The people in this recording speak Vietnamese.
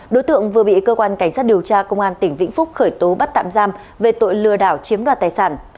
đối tượng vừa bị cơ quan cảnh sát điều tra công an tỉnh vĩnh phúc khởi tố bắt tạm giam về tội lừa đảo chiếm đoạt tài sản